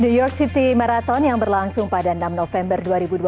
new york city marathon yang berlangsung pada enam november dua ribu dua puluh